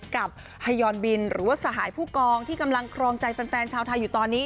กับไฮยอนบินหรือว่าสหายผู้กองที่กำลังครองใจแฟนชาวไทยอยู่ตอนนี้